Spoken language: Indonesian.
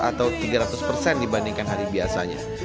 atau tiga ratus persen dibandingkan hari biasanya